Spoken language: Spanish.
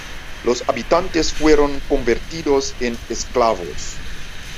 Los habitantes fueron convertidos en esclavos.